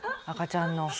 赤ちゃんの。